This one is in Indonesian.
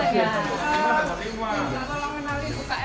kamu dapat motor ya